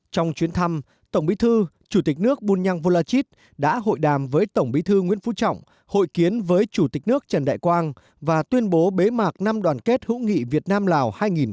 trong chuyến thăm tổng bí thư chủ tịch nước bunyang volachit đã hội đàm với tổng bí thư nguyễn phú trọng hội kiến với chủ tịch nước trần đại quang và tuyên bố bế mạc năm đoàn kết hữu nghị việt nam lào hai nghìn một mươi chín